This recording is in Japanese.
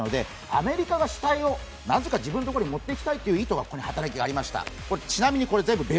アメリカが主体をなぜか自分のところに持っていきたいという意図がありました。